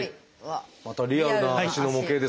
またリアルな足の模型ですね。